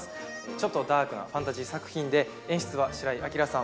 ちょっとダークなファンタジー作品で、演出は白井晃さん、